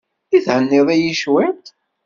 I thenniḍ-iyi cwiṭ?